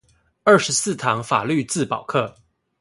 二十四堂法律自保課